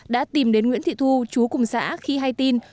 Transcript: đã tìm đến nguyễn thị thu chú cùng xã khi hay tin